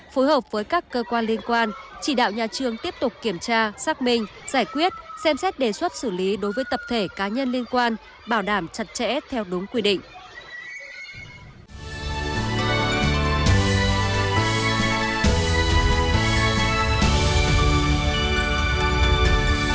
phối hợp với các cơ quan liên quan chỉ đạo nhà trường tiếp tục kiểm tra xác minh giải quyết xem xét đề xuất xử lý đối với tập thể cá nhân liên quan bảo đảm chặt chẽ theo đúng quy định